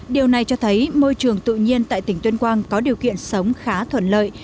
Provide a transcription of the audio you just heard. điều này cho thấy môi trường tự nhiên tại tỉnh tuyên quang có điều kiện sống khá thuận lợi